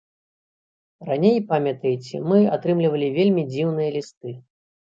Раней, памятаеце, мы атрымлівалі вельмі дзіўныя лісты.